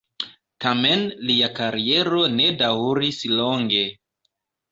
Tamen lia kariero ne daŭris longe.